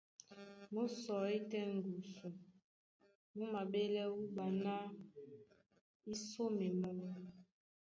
Mú sɔí tɛ́ ŋgusu, mú maɓélɛ́ wúɓa ná í sóme mɔ́.